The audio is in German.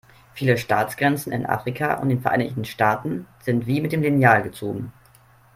Viele Staatsgrenzen in Afrika und den Vereinigten Staaten sind wie mit dem Lineal gezogen.